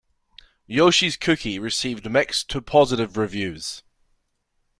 "Yoshi's Cookie" received mixed to positive reviews.